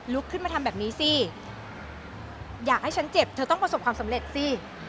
ขึ้นมาทำแบบนี้สิอยากให้ฉันเจ็บเธอต้องประสบความสำเร็จสิ